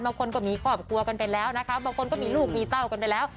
บางคนก็มีครอบครัวกันไปแล้วนะคะบางคนก็มีลูกมีเต้ากันไปแล้ว